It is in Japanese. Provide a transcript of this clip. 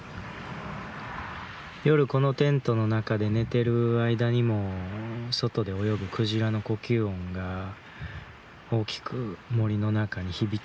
夜このテントの中で寝てる間にも外で泳ぐクジラの呼吸音が大きく森の中に響き渡ることがあります。